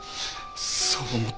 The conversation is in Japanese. そう思って。